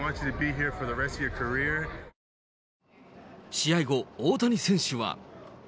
試合後、大谷選手は。